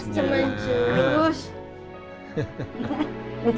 siapa baik god